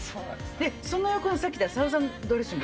その横に、さっきのサウザンドレッシング。